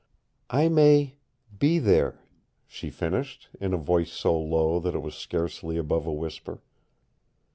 "I may be there," she finished, in a voice so low that it was scarcely above a whisper.